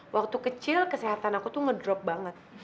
waktu kecil kesehatan aku tuh ngedrop banget